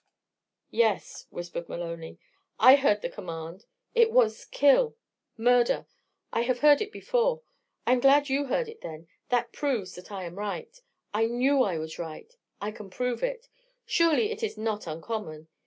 "Yes," whispered Maloney. "I heard the command. It was 'Kill!' 'Murder!' I have heard it before. I am glad you heard it then that proves that I am right. I knew I was right. I can prove it. Surely it is not uncommon.